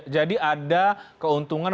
jadi ada keuntungan